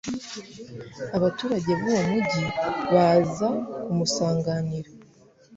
abaturage b'uwo mugi baza kumusanganira